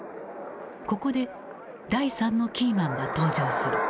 ここで第３のキーマンが登場する。